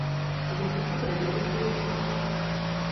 Я хачу праверыць лічбы.